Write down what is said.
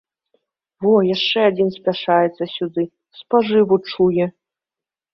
Во, яшчэ адзін спяшаецца сюды, спажыву чуе!